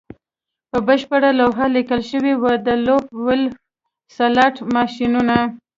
په بشپړه لوحه لیکل شوي وو د لون وولف سلاټ ماشینونه